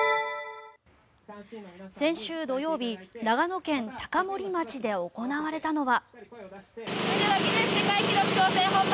先週土曜日長野県高森町で行われたのは。